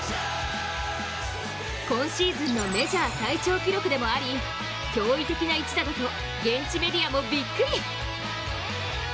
今シーズンのメジャー最長記録でもあり驚異的な一打だと現地メディアもびっくり。